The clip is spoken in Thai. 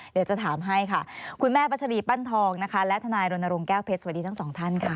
เดี๋ยวจะถามให้ค่ะคุณแม่พัชรีปั้นทองนะคะและทนายรณรงค์แก้วเพชรสวัสดีทั้งสองท่านค่ะ